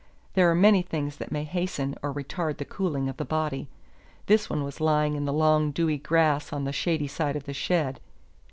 There are many things that may hasten or retard the cooling of the body. This one was lying in the long dewy grass on the shady side of the shed.